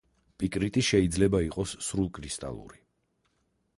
პიკრიტი შეიძლება იყოს სრულკრისტალური.